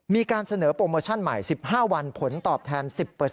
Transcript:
มีการเสนอโปรโมชั่นใหม่๑๕วันผลตอบแทน๑๐